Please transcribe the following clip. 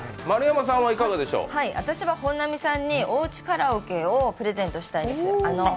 私は本並さんにおうちカラオケをプレゼントしたいです。